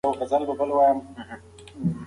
د ټولنیزو اړیکو نقشه جوړه کړه.